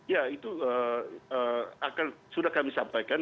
ya itu akan sudah kami sampaikan